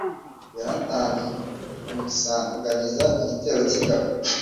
yonatani amusanganiza igitero cy'ingabo